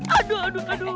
aduh aduh aduh